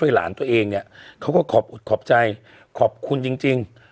หลานตัวเองเนี่ยเขาก็ขอบอกขอบใจขอบคุณจริง